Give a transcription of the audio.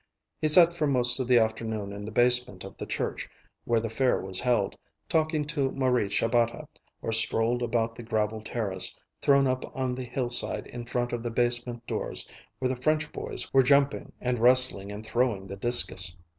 He sat for most of the afternoon in the basement of the church, where the fair was held, talking to Marie Shabata, or strolled about the gravel terrace, thrown up on the hillside in front of the basement doors, where the French boys were jumping and wrestling and throwing the discus.